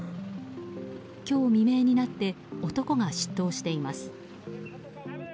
今日未明になって男が出頭しています。